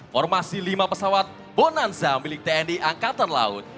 formasi lima pesawat bonanza milik tni angkatan laut